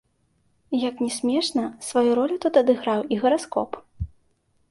Як ні смешна, сваю ролю тут адыграў і гараскоп.